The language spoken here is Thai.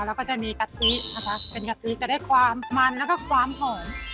แล้วก็จะมีกะทินะคะเป็นกะทิจะได้ความมันแล้วก็ความหอม